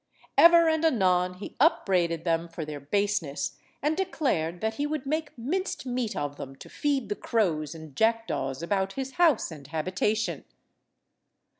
Ever and anon he upbraided them for their baseness, and declared that he would make minced meat of them to feed the crows and jackdaws about his house and habitation.